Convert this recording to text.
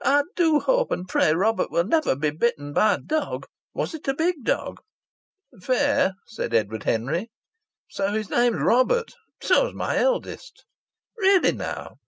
"I do hope and pray Robert will never be bitten by a dog. Was it a big dog?" "Fair," said Edward Henry. "So his name's Robert! So's my eldest's!" "Really now!